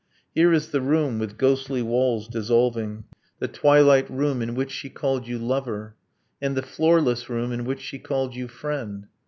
Here is the room with ghostly walls dissolving The twilight room in which she called you 'lover'; And the floorless room in which she called you 'friend.'